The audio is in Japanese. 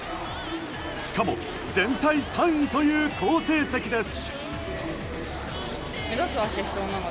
しかも、全体の３位という好成績です。